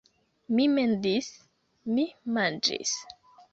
Mi mendis... mi manĝis